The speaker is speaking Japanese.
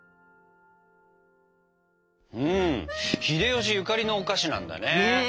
秀吉ゆかりのお菓子なんだね。ね。